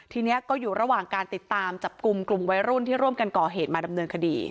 ทีนี้ก็อยู่ระหว่างการติดตามจับกลุ่มกลุ่มวัยรุ่นที่ร่วมกันก่อเหตุมาดำเนินคดี